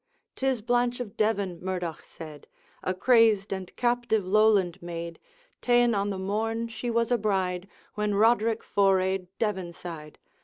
''Tis Blanche of Devan,' Murdoch said, 'A crazed and captive Lowland maid, Ta'en on the morn she was a bride, When Roderick forayed Devan side.